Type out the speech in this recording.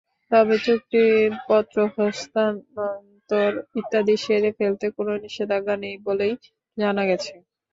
তবে চুক্তিপত্র হস্তান্তর ইত্যাদি সেরে ফেলতে কোনো নিষেধাজ্ঞা নেই বলেই জানা গেছে।